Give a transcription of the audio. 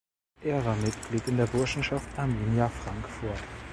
Er war Mitglied in der Burschenschaft Arminia Frankfurt.